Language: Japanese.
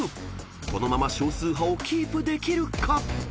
［このまま少数派をキープできるか？］